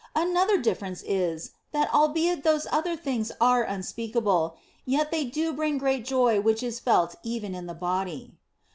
Another difference is, that albeit those other things are unspeakable, yet they do bring great joy which is felt even in the body.